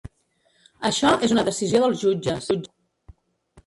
Això és una decisió dels jutges.